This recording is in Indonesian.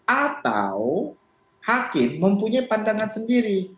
atau hakim mempunyai pandangan sendiri